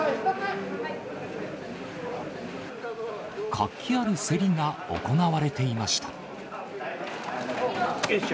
活気ある競りが行われていました。